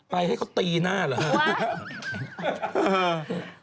ไปให้เขาตีหน้าหรือ